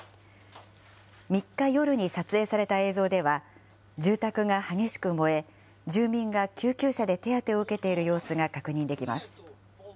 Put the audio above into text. ３日夜に撮影された映像では、住宅が激しく燃え、住民が救急車で手当てを受けている様子が確認できます。